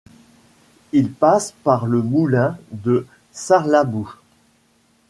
Il passe par le moulin de Sarlabous.